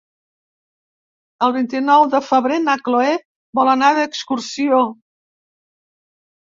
El vint-i-nou de febrer na Cloè vol anar d'excursió.